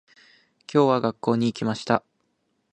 今日は、学校に行きました。